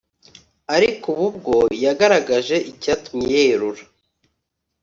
ariko ubu bwo yagaragaje icyatumye yerura